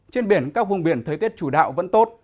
trên biển các vùng biển thời tiết chủ đạo vẫn tốt